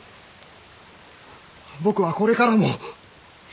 僕はこれからも。